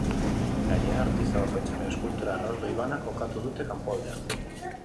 Gainera, artista bakoitzaren eskultura erraldoi bana kokatuko dute kanpoaldean.